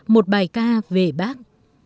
một bài ca về bác